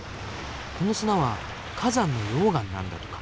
この砂は火山の溶岩なんだとか。